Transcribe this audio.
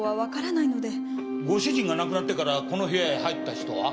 ご主人が亡くなってからこの部屋へ入った人は？